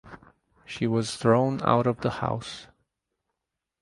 She was thrown out of the house.